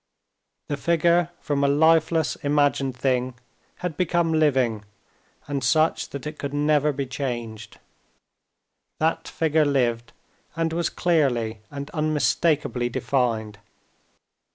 The figure from a lifeless imagined thing had become living, and such that it could never be changed. That figure lived, and was clearly and unmistakably defined.